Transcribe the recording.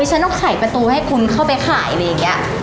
ฉันต้องขายประตูให้คุณเข้าไปขายอะไรอย่างนี้